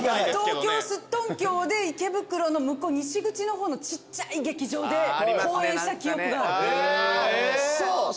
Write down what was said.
東京すっとんきょで池袋の西口の方のちっちゃい劇場で公演した記憶がある。